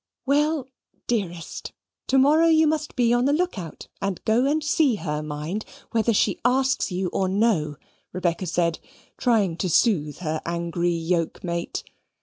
"Well, dearest, to morrow you must be on the look out, and go and see her, mind, whether she asks you or no," Rebecca said, trying to soothe her angry yoke mate.